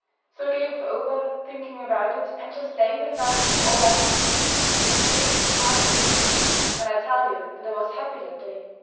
So I gave over thinking about it, and just lay in the ferns all the afternoon. 'Maybe you'll hardly believe me when I tell you that I was happy that day.